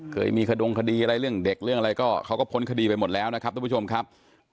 เคยมีขดงคดีอะไรเรื่องเด็กเรื่องอะไรก็เขาก็พ้นคดีไปหมดแล้วนะครับทุกผู้ชมครับ